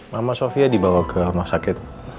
nama sofia dibawa ke rumah sakit